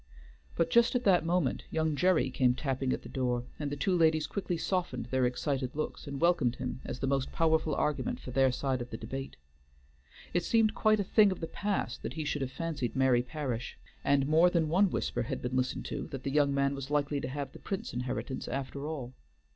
But just at that moment young Gerry came tapping at the door, and the two ladies quickly softened their excited looks and welcomed him as the most powerful argument for their side of the debate. It seemed quite a thing of the past that he should have fancied Mary Parish, and more than one whisper had been listened to that the young man was likely to have the Prince inheritance, after all.